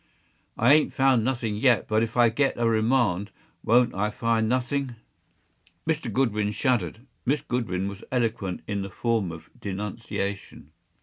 I ain’t found nothing yet; but if I get a remand, won’t I find nothing!” Mr. Goodwin shuddered. Miss Goodwin was eloquent in the form of denunciation.